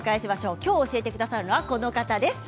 今日教えてくださるのはこの方です。